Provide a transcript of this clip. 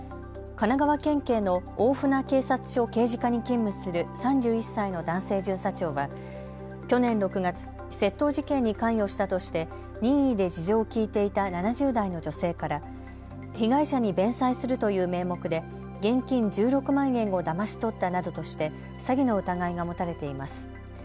神奈川県警の大船警察署刑事課に勤務する３１歳の男性巡査長は去年６月、窃盗事件に関与したとして任意で事情を聞いていた７０代の女性から被害者に弁済するという名目で現金１６万円をだまし取ったなどとして詐欺の疑いが持たれています。